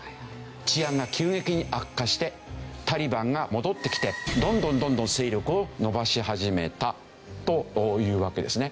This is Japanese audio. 治安が急激に悪化してタリバンが戻ってきてどんどんどんどん勢力を伸ばし始めたというわけですね。